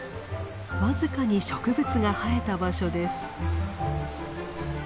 わずかに植物が生えた場所です。